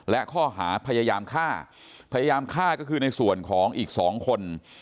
และข้อหาพยายามฆ่าพยายามฆ่าก็คือในส่วนของอีกสองคน